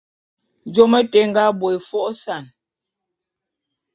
Jôm éte é nga bo é fô'ôsan.